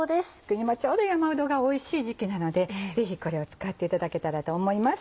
今ちょうど山うどがおいしい時期なのでぜひこれを使っていただけたらと思います。